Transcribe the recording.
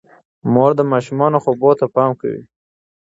مور د ماشومانو خوب ته پام کوي.